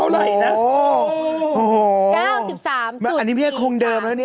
เท่าไหร่นะเท่าไหร่นะ